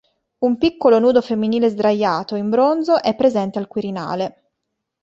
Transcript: Un piccolo nudo femminile sdraiato, in bronzo, è presente al Quirinale.